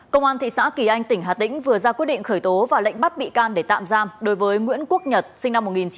công an thị xã kỳ anh tỉnh hà tĩnh vừa ra quyết định khởi tố và lệnh bắt bị can để tạm giam đối với nguyễn quốc nhật sinh năm một nghìn chín trăm tám mươi